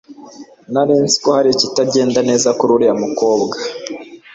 Nari nzi ko hari ikitagenda neza kuri uriya mukobwa.